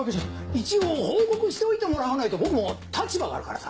一応報告しておいてもらわないと僕も立場があるからさ。